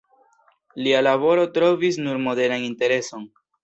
Lia laboro trovis nur moderan intereson.